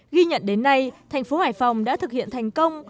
ghi nhận đến nay thành phố hải phòng đã thực hiện thành công